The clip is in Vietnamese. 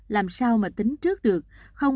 làm sao mà tính trước được không